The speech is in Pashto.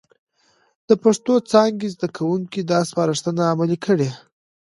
د پښتو څانګې زده کوونکي دا سپارښتنه عملي کړي،